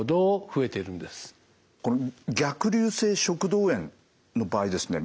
これ逆流性食道炎の場合ですね